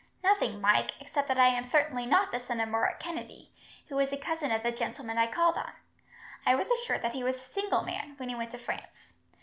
"Nothing, Mike, except that I am certainly not the son of Murroch Kennedy, who was a cousin of the gentleman I called on. I was assured that he was a single man, when he went to France.